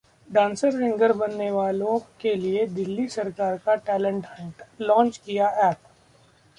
dancer-singer बनने वालों के लिए दिल्ली सरकार का टैलेंट हंट, लॉन्च किया ऐप